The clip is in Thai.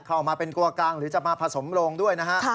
เข้ามาเป็นกลัวกลางหรือจะมาผสมโรงด้วยนะฮะ